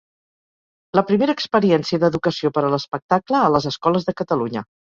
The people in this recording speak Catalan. La primera experiència d'educació per a l'espectacle a les escoles de Catalunya.